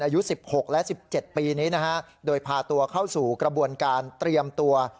อายุ๑๖และ๑๗ปีนี้นะฮะโดยพาตัวเข้าสู่กระบวนการเตรียมตัว